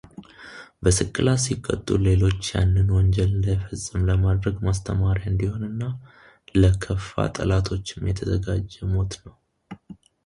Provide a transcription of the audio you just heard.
በስቅላት ሲቀጡ ሌሎች ያንን ወንጀል እንዳይፈጸም ለማድረግ ማስተማሪያ እንዲሆን እና ለከፉ ጠላቶችም የተዘጋጀ ሞት ነው።